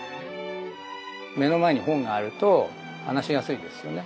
目の前に本があると話しやすいですよね。